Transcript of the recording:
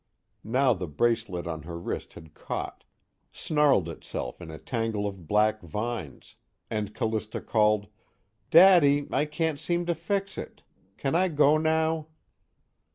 _" Now the bracelet on her wrist had caught, snarled itself in a tangle of black vines, and Callista called: "Daddy, I can't seem to fix it. Can I go now?"